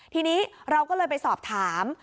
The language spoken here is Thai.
ทีนี้เราก็เลยไปสอบถาม